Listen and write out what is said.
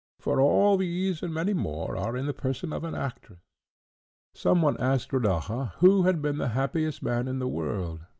for all these, and many more, are in the person of an actress." Some one asked Rodaja, who had been the happiest man in the world?